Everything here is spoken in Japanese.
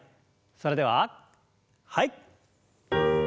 それでははい。